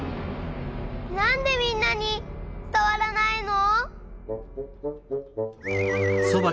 なんでみんなにつたわらないの！？